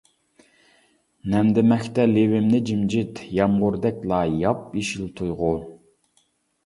نەمدىمەكتە لېۋىمنى جىمجىت، يامغۇردەكلا ياپيېشىل تۇيغۇ.